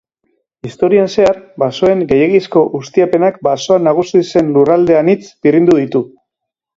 Historian zehar, basoen gehiegizko ustiapenak basoa nagusi zen lurralde anitz birrindu ditu.